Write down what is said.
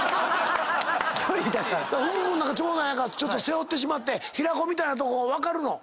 福君なんか長男やからちょっと背負ってしまって平子みたいなとこ分かるの？